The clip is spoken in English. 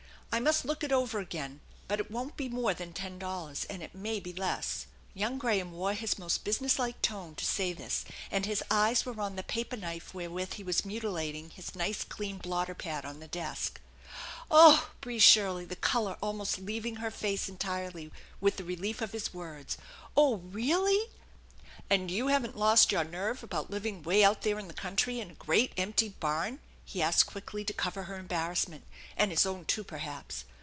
I must look it over again; but it won't be more than ten dollars, and it may be less." Young Graham wore his most businesslike tone to say this, and his eyes were on the paper knife wherewith he was mutilating his nice clean blotter pad on the desk. " Oh !" breathed Shirley, the color almost leaving her face entirely with the relief of his words. " Oh, really ?" "And you haven't lost your nerve about living away out there in the country in a great empty barn ?" he asked quickly to cover her embarrassment and his own, too, perhaps.